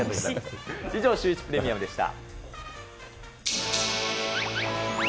以上、シューイチプレミアムでした。